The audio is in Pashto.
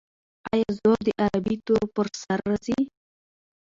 آیا زور د عربي تورو پر سر راځي؟